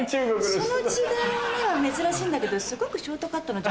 その時代には珍しいんだけどすごくショートカットの女性が。